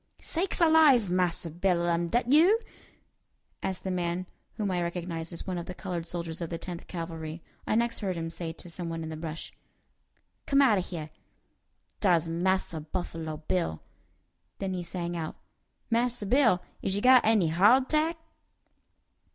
"Sakes alive! Massa Bill, am dat you?" asked the man, whom I recognized as one of the colored soldiers of the Tenth Cavalry. I next heard him say to some one in the brush: "Come out o' heah. Dar's Massa Buffalo Bill." Then he sang out, "Massa Bill, is you got any hawdtack?"